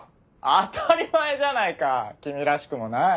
当たり前じゃないか君らしくもない。